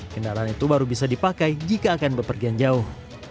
kendaraan itu baru bisa dipakai jika akan berpergian jauh